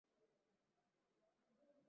ameondoka dukani kwenda